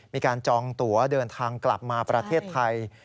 จองตัวเดินทางกลับมาประเทศไทย